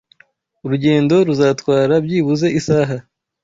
Urugendo ruzatwara byibuze isaha.